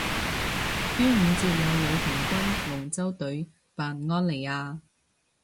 端午節有女童軍龍舟隊扮安妮亞